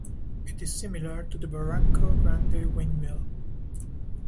It is similar to the Barranco Grande Windmill.